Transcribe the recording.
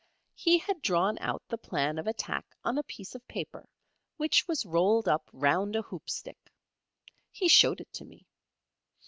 He had drawn out the plan of attack on a piece of paper which was rolled up round a hoop stick. He showed it to me.